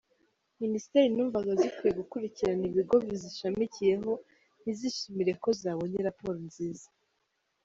Minisiteri numvaga zikwiye gukurikirana ibigo bizishamikiyeho ntizishimire ko zabonye raporo nziza.